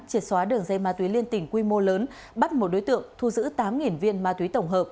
triệt xóa đường dây ma túy liên tỉnh quy mô lớn bắt một đối tượng thu giữ tám viên ma túy tổng hợp